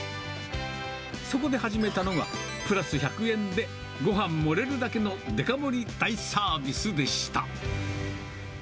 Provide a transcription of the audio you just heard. そこで始めたのが、プラス１００円でごはん盛れるだけのデカ盛り大サービスでした。